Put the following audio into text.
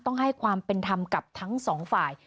ต้องให้ความเป็นธรรมกับทั้งสองฝ่าย